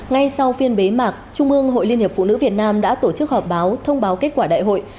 ngay sau phiên bế mạc trung ương hội liên hiệp phụ nữ việt nam đã tổ chức họp báo thông báo kết quả đại hội